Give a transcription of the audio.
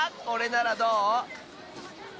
これならどう？